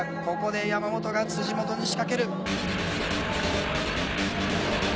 ここで山本が本に仕掛ける。